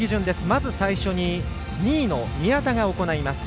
まず最初に２位の宮田が行います。